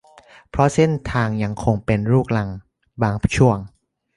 เพราะเส้นทางยังคงเป็นลูกรังบางช่วง